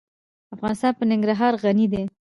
افغانستان په ننګرهار غني دی.